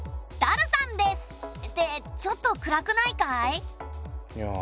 ダルさんです！ってちょっと暗くないかい？